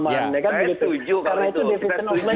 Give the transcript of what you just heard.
saya setuju kalau itu